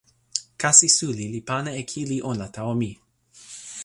kasi suli li pana e kili ona tawa mi.